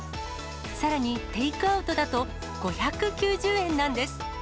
さらにテイクアウトだと５９０円なんです。